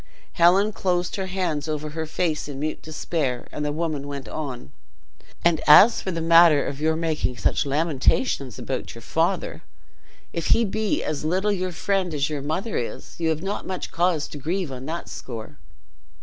Helen closed her hands over her face in mute despair, and the woman went on: "And as for the matter of your making such lamentations about your father, if he be as little your friend as your mother is you have not much cause to grieve on that score."